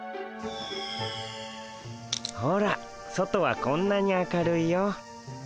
ほら外はこんなに明るいよ。